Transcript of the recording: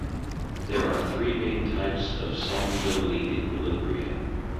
There are three main types of solubility equilibria.